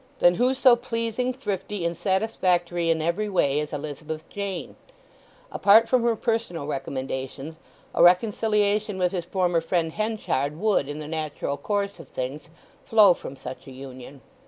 Then who so pleasing, thrifty, and satisfactory in every way as Elizabeth Jane? Apart from her personal recommendations a reconciliation with his former friend Henchard would, in the natural course of things, flow from such a union.